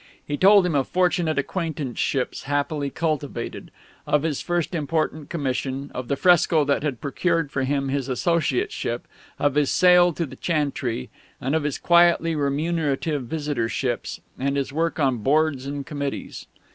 He told him of fortunate acquaintanceships happily cultivated, of his first important commission, of the fresco that had procured for him his Associateship, of his sale to the Chantrey, and of his quietly remunerative Visitorships and his work on Boards and Committees.